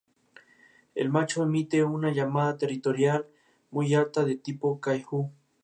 El macho emite una llamada territorial muy alta de tipo "kay-oh".